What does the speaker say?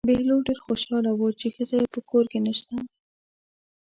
بهلول ډېر خوشحاله و چې ښځه یې په کور کې نشته.